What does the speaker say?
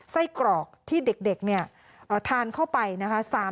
ไส้กรอกที่เด็กเนี่ยทานเข้าไปนะคะ